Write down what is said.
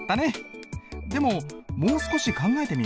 でももう少し考えてみよう。